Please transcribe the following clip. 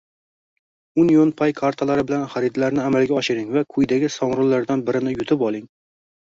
👉 UnionPay kartalari bilan xaridlarni amalga oshiring va quyidagi sovrinlardan birini yutib oling: